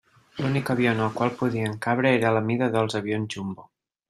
L’únic avió en el qual podien cabre era la mida dels avions jumbo.